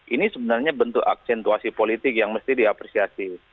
ini sebenarnya bentuk aksentuasi politik yang mesti diapresiasi